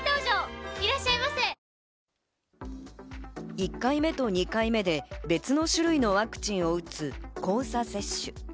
１回目と２回目で別の種類のワクチンを打つ交差接種。